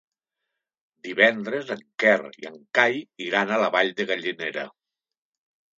Divendres en Quer i en Cai iran a la Vall de Gallinera.